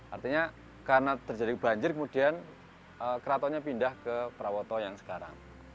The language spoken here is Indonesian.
artinya karena terjadi banjir kemudian keratonnya pindah ke prawoto yang sekarang